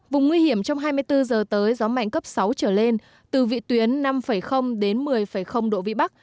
vùng nguy hiểm trong hai mươi bốn h tới gió mạnh cấp sáu trở lên từ vị tuyến năm đến một mươi độ vb